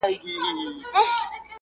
چي ما دي په تیاره کي تصویرونه وي پېیلي-